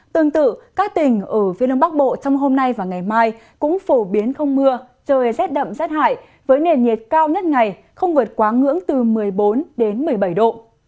tương tự các tỉnh ở phía đông bắc bộ trong hôm nay và ngày mai cũng phổ biến không mưa trời rét đậm rét hại với nền nhiệt cao nhất ngày không vượt quá ngưỡng từ một mươi bốn đến một mươi bảy độ